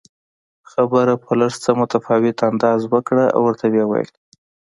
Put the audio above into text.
خبره په لږ څه متفاوت انداز وکړه او ورته ویې ویل